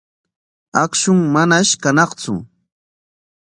Akshun manash kañaqtsu.